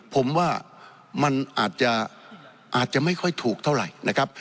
ผมว่ามันอาจจะไม่ค่อยถูกเท่าไหร่นะครับ